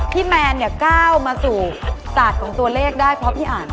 แมนเนี่ยก้าวมาสู่ศาสตร์ของตัวเลขได้เพราะพี่อ่าน